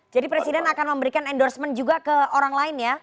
jadi presiden akan memberikan endorsement juga ke orang lain ya